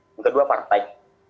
yang kedua partai